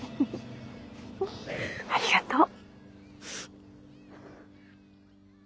ありがとう。